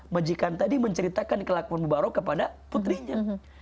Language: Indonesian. majikan tadi menceritakan kelakuan mubarok kepada putrinya